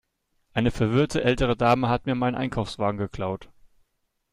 Eine verwirrte ältere Dame hat mir meinen Einkaufswagen geklaut.